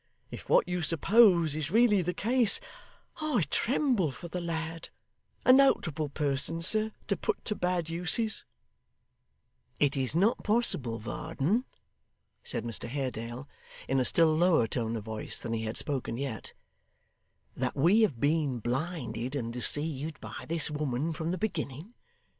If what you suppose is really the case, I tremble for the lad a notable person, sir, to put to bad uses ' 'It is not possible, Varden,' said Mr Haredale, in a still lower tone of voice than he had spoken yet, 'that we have been blinded and deceived by this woman from the beginning?